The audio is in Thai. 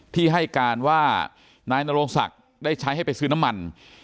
ที่ให้การว่านายนโรงศักดิ์ได้ใช้ให้ไปซื้อน้ำมัน